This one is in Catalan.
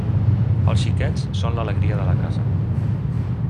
Els xiquets són l'alegria de la casa.